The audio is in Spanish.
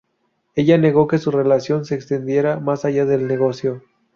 Ella negó que su relación se extendiera más allá del negocio.